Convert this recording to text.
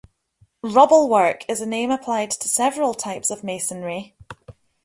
"Rubble-work" is a name applied to several types of masonry.